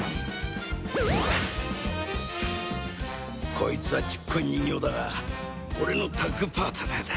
こいつはちっこい人形だが俺のタッグパートナーだ。